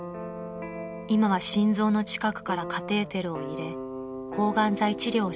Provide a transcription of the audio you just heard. ［今は心臓の近くからカテーテルを入れ抗がん剤治療をしています］